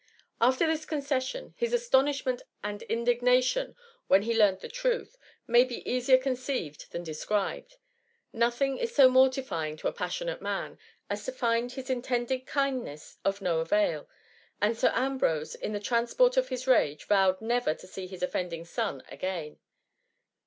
After this concession, his astonishment and indignation, when he learnt the truth, may be easier conceived than described. Nothing is so mortifying to a passionate man, as to find h2 148 THE MUUMY. his intended kindness of no avail ; and Sir Am brose, in the transport of his rage, vowed never to see his offending son again.